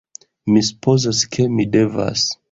Mi supozas ke mi devas.